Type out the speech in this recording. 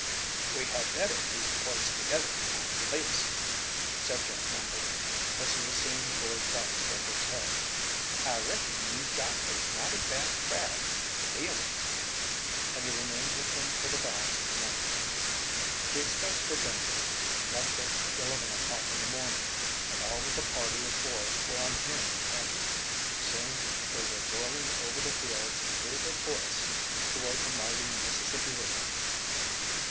"We had better keep close together after this," said Jack Wumble, as he was seeing the boys back to their hotel. "I reckon you've got a mighty bad crowd to deal with." And he remained with them for the balance of the night. The express for Denver left at eleven o'clock in the morning, and all of the party of four were on hand to catch it. Soon they were whirling over the fields and through the forests toward the mighty Mississippi River.